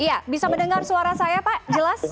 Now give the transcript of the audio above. iya bisa mendengar suara saya pak jelas